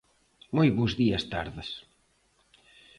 Moi bos días-tardes.